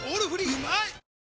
うまい！